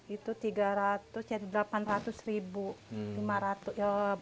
itu rp tiga ratus ya rp delapan ratus